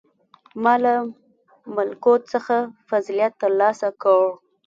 • ما له ملکوت څخه فضیلت تر لاسه کړ.